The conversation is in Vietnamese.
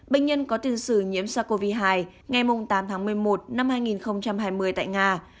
bệnh nhân có tiền sử nhiễm sars cov hai ngày tám tháng một mươi một năm hai nghìn hai mươi tại nga